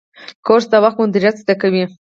کورس د وخت مدیریت زده کوي.